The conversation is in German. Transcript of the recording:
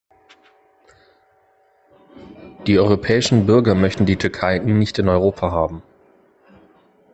Die europäischen Bürger möchten die Türkei nicht in Europa haben.